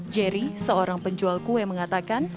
jerry seorang penjual kue mengatakan